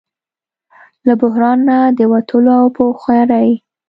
له بحران نه د وتلو او په هوښیارۍ